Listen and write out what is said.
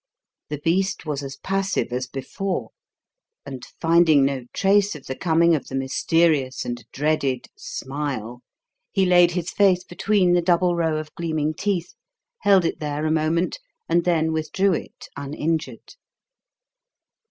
The beast was as passive as before; and, finding no trace of the coming of the mysterious and dreaded "smile," he laid his face between the double row of gleaming teeth, held it there a moment, and then withdrew it uninjured.